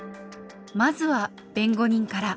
まずは弁護人から。